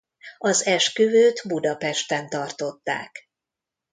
Az esküvőt Budapesten tartották.